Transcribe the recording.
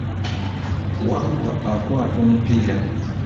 Wambwa akwata omupiira.